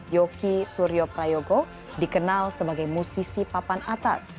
yoki suryo prayogo dikenal sebagai musisi papan atas